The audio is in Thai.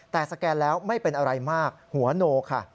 แต่สแกนแล้วไม่เป็นอะไรมากหัวโนค่ะ